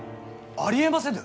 ありえませぬ！